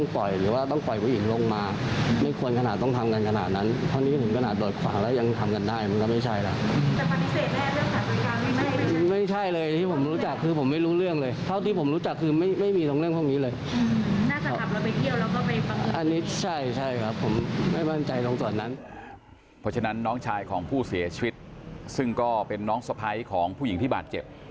เพราะฉะนั้นน้องชายของผู้เสียชีวิตซึ่งก็เป็นน้องสะพ้ายของผู้หญิงที่บาดเจ็บ